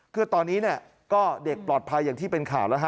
คือตอนนี้ก็เด็กปลอดภัยอย่างที่เป็นข่าวแล้วฮะ